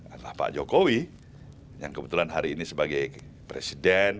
adalah pak jokowi yang kebetulan hari ini sebagai presiden